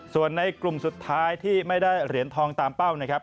ส่วนในกลุ่มสุดท้ายที่ไม่ได้เหรียญทองตามเป้านะครับ